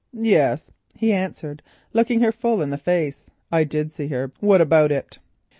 "Yes," he answered, looking her full in the face, "I did see her, what about it?"